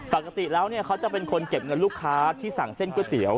ปกติแล้วเขาจะเป็นคนเก็บเงินลูกค้าที่สั่งเส้นก๋วยเตี๋ย